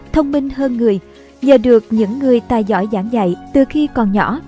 thông minh hơn người nhờ được những người tài giỏi giảng dạy từ khi còn nhỏ